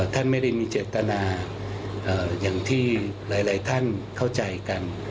ท่านไม่ได้มีเจตนาอย่างที่หลายท่านเข้าใจกัน